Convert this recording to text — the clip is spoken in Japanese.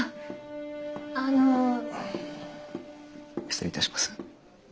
失礼いたします。